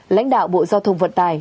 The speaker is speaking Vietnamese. lãnh đạo bộ giao thông vận tải